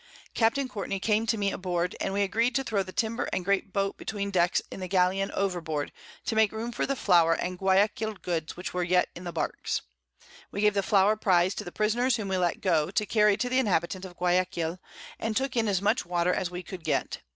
Capt. Courtney came to me aboard, and we agreed to throw the Timber and great Boat between Decks in the Galeon overboard, to make room for the Flour and Guiaquil Goods which were yet in the Barks. We gave the Flour Prize to the Prisoners whom we let go, to carry to the Inhabitants of Guiaquil, and took in as much Water as we could get.